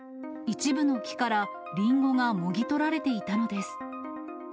一部の木からリンゴがもぎ取られていたのです。